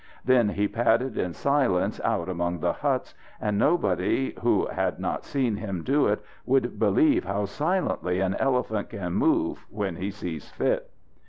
Then he padded in silence out among the huts, and nobody who had not seen him do it would believe how silently an elephant can move when he sees fit.